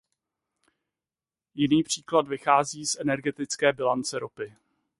Jiný příklad vychází z energetické bilance ropy.